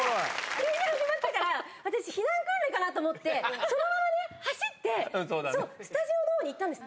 急に始まったから、私、避難訓練かなと思って、そのままね、走って、スタジオのほうに行ったんです。